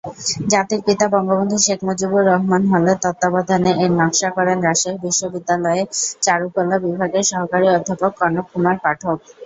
জাতির পিতা বঙ্গবন্ধু শেখ মুজিবুর রহমান হলের তত্ত্বাবধানে এর নকশা করেন রাজশাহী বিশ্ববিদ্যালয়ের চারুকলা বিভাগের সহকারী অধ্যাপক কনক কুমার পাঠক।